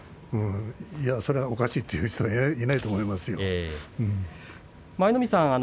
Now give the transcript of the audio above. それは、おかしいという人はいないと思いますよ。